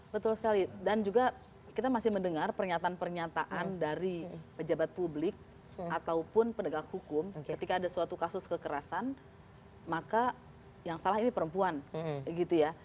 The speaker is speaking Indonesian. betul sekali dan juga kita masih mendengar pernyataan pernyataan dari pejabat publik ataupun penegak hukum ketika ada suatu kasus kekerasan maka yang salah ini perempuan gitu ya